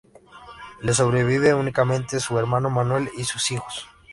Le sobrevive únicamente su hermano Manuel y sus hijos.